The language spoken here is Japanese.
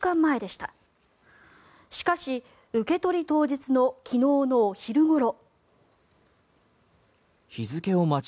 しかし、受け取り当日の昨日のお昼ごろ。